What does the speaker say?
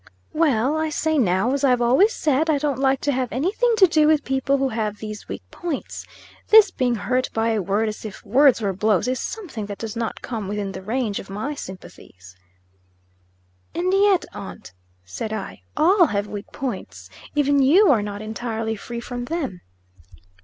"Well, I say now, as I have always said I don't like to have any thing to do with people who have these weak points. This being hurt by a word, as if words were blows, is something that does not come within the range of my sympathies." "And yet, aunt," said I, "all have weak points. Even you are not entirely free from them."